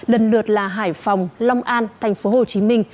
lần lượt là hải phòng long an tp hcm